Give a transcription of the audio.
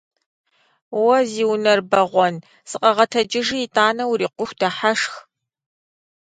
Уэ зи унэр бэгъуэн! Сыкъэгъэтэджыжи итӏанэ урикъуху дыхьэшх!